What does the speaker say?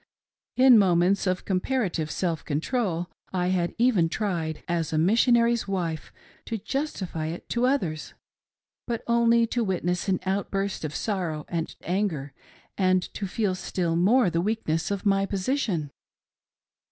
In moments of comparative self control I had even tried, as a Missionary's wife, to justify it to others, but only to wit " ness an outburst of sorrow and anger, and to feel still more the weakness of my position.